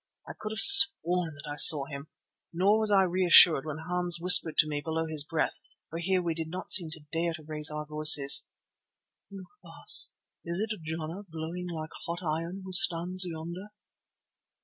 I could have sworn that I saw him, nor was I reassured when Hans whispered to me below his breath, for here we did not seem to dare to raise our voices: "Look, Baas. Is it Jana glowing like hot iron who stands yonder?"